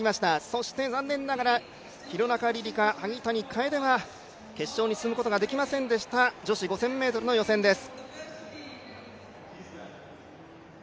そして残念ながら廣中璃梨佳、萩谷楓は決勝に進むことができませんでした女子５０００ｍの予選です。